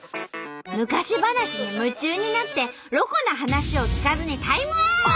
昔話に夢中になってロコな話を聞かずにタイムアウト！